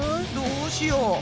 どうしよう。